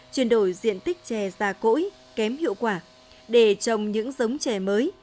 chuyển đổi diện tích trẻ già cỗi kém hiệu quả để trồng những giống trẻ mới